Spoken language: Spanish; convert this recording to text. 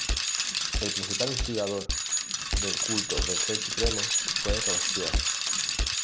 El principal instigador del culto del Ser Supremo fue Robespierre.